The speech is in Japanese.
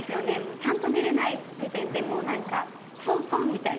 ちゃんと寝れない時点でもう何か損損みたいな。